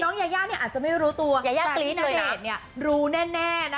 ในพอตอนนี้อาจจะไม่รู้ตัวแต่พี่ณเดชน์รู้แน่